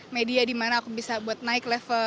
media dimana aku bisa buat naik level